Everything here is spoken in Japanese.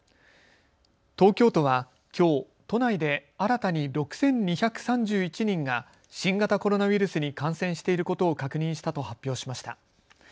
東京都はきょう都内で新たに６２３１人が新型コロナウイルスに感染していることを確認したと発表しました。